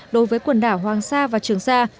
đối với quần đảo hoàng sa và trường sa